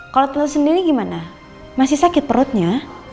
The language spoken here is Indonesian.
kalo tan sendiri gimana masih sakit perutnya